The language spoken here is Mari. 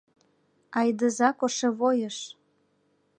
Айдыза кошевойыш!